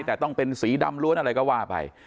แต่ต้องเป็นสีดำล้วนอะไรก็ว่าไป